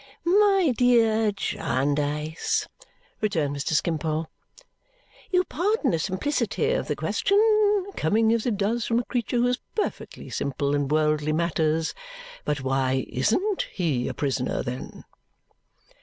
"My dear Jarndyce," returned Mr. Skimpole, "you'll pardon the simplicity of the question, coming as it does from a creature who is perfectly simple in worldly matters, but why ISN'T he a prisoner then?"